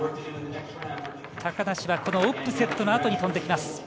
高梨はオップセットのあとに飛んできます。